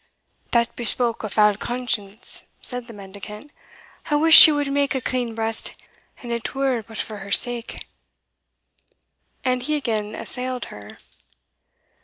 "That bespoke a foul conscience," said the mendicant; "I wuss she wad mak a clean breast, an it were but for her sake;" and he again assailed her.